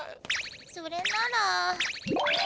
それなら。